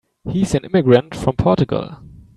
He's an immigrant from Portugal.